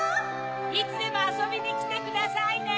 ・いつでもあそびにきてくださいね！